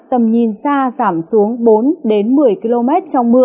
tầm nhìn xa giảm xuống bốn một mươi km trong mưa